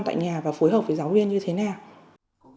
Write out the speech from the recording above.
tại nhà và phối hợp với giáo viên như thế nào